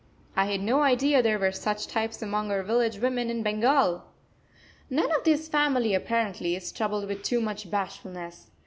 I had no idea there were such types among our village women in Bengal. None of this family, apparently, is troubled with too much bashfulness.